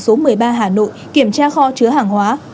số một mươi ba hà nội kiểm tra kho chứa hàng hóa